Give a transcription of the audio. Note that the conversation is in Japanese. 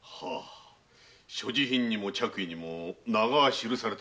所持品にも着衣にも名が記されておりません。